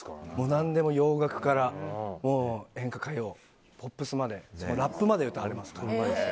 何でも洋楽から演歌、歌謡ポップスまでラップまで歌われますから。